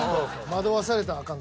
惑わされたらあかん。